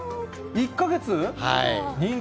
１か月？